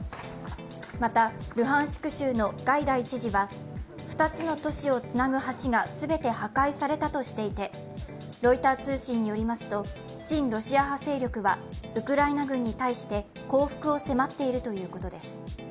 また、ルハンシク州のガイダイ知事は２つの都市をつなぐ橋が全て破壊されたとしていてロイター通信によりますと親ロシア派勢力はウクライナ軍に対して降伏を迫っているということです。